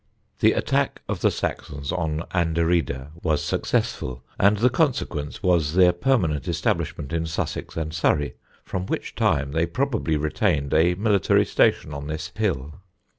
The attack of the Saxons on Anderida was successful, and the consequence was their permanent establishment in Sussex and Surrey, from which time they probably retained a military station on this hill.